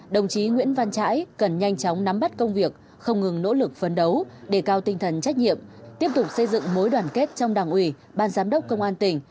đồng chí nguyễn văn trãi cần nhanh chóng nắm bắt công việc không ngừng nỗ lực phấn đấu đề cao tinh thần trách nhiệm tiếp tục xây dựng mối đoàn kết trong đảng ủy ban giám đốc công an tỉnh